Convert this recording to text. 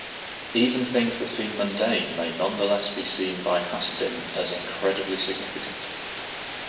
Even things that seem mundane may nonetheless be seen by hasidim as incredibly significant.